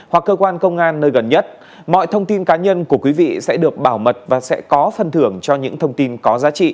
hoặc cơ quan công an nơi gần nhất mọi thông tin cá nhân của quý vị sẽ được bảo mật và sẽ có phân thức